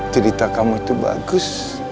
cerita kamu itu bagus